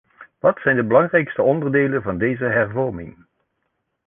Wat zijn de belangrijkste onderdelen van deze hervorming?